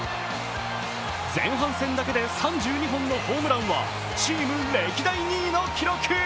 前半戦だけで３２本のホームランはチーム歴代２位の記録。